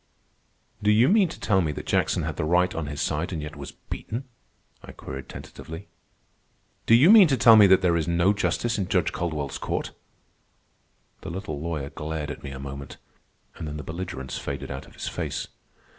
"Do you mean to tell me that Jackson had the right on his side and yet was beaten?" I queried tentatively. "Do you mean to tell me that there is no justice in Judge Caldwell's court?" The little lawyer glared at me a moment, and then the belligerence faded out of his face.